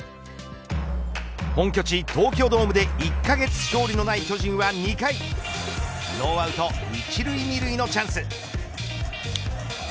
本拠地、東京ドームで１カ月勝利のない巨人は２回、ノーアウト１塁２塁のチャンス。